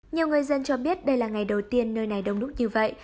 nhiều người dân cho biết đây là ngày đầu tiên nơi này đông đúc như vậy